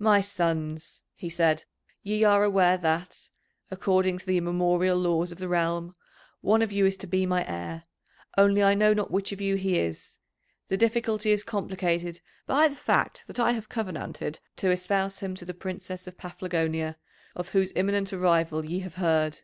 "My sons," he said, "ye are aware that, according to the immemorial laws of the realm, one of you is to be my heir, only I know not which of you he is; the difficulty is complicated by the fact that I have covenanted to espouse him to the Princess of Paphlagonia, of whose imminent arrival ye have heard.